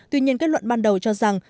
tuy nhiên kết luận ban đầu cho rằng